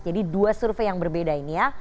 jadi dua survei yang berbeda ini ya